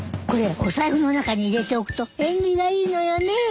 これお財布の中に入れておくと縁起がいいのよね。